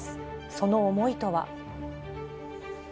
その思いとは。